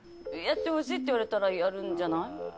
やってほしいって言われたらやるんじゃない？